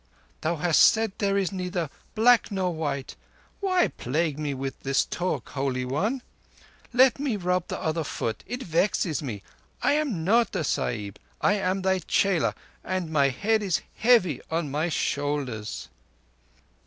"Thou hast said there is neither black nor white. Why plague me with this talk, Holy One? Let me rub the other foot. It vexes me. I am not a Sahib. I am thy chela, and my head is heavy on my shoulders."